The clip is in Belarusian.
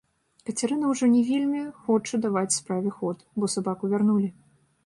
Кацярына ўжо не вельмі хоча даваць справе ход, бо сабаку вярнулі.